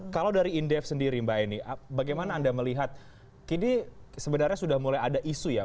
kalau dari indef sendiri mbak eni bagaimana anda melihat ini sebenarnya sudah mulai ada isu ya